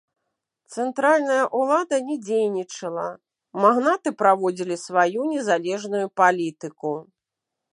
Цэнтральная ўлада не дзейнічала, магнаты праводзілі сваю незалежную палітыку.